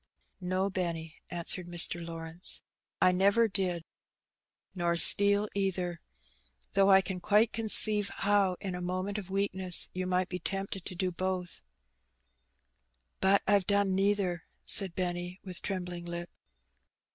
No, Benny," answered Mr. Lawrence; "I never did, cc 160 Her Benny. nor steal either, lliough I can quite conceive how^ in a moment of weakness, you might be tempted to do both/^ ''But Pve done neither/^ said Benny, with trembling lip.